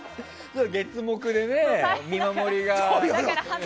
月木でね、見守りが。